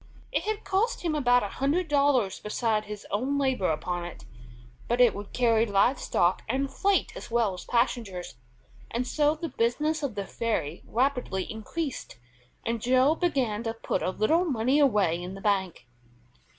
It had cost him about a hundred dollars besides his own labor upon it, but it would carry live stock and freight as well as passengers, and so the business of the ferry rapidly increased, and Joe began to put a little money away in the bank.